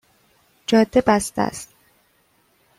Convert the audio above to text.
جاده بسته است